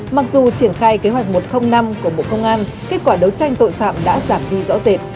mặc dù triển khai kế hoạch một trăm linh năm của bộ công an kết quả đấu tranh tội phạm đã giảm đi rõ rệt